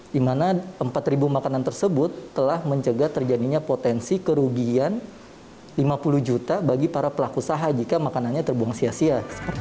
di mana empat ribu makanan tersebut telah mencegah terjadinya potensi kerugian lima puluh juta bagi para pelaku usaha jika makanannya terbuang sia sia